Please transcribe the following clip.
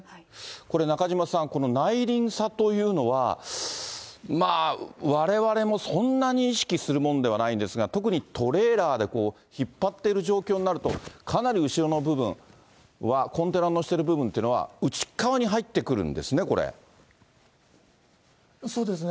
これ、中島さん、この内輪差というのは、われわれも、そんなに意識するもんではないんですが、特にトレーラーで引っ張ってる状況になると、かなり後ろの部分は、コンテナ載せてる部分っていうのは、内っ側に入ってくるんですね、これね。